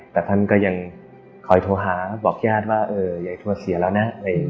แต่ท่านก็ยังคอยโทรหาบอกญาติว่ายายทัวร์เสียแล้วนะ